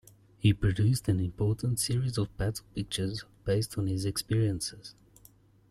He produced an important series of battle-pictures based on his experiences.